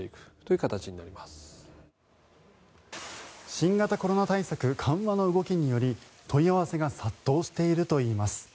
新型コロナ対策緩和の動きにより問い合わせが殺到しているといいます。